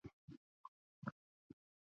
غول د بدن د منځ خبروالی دی.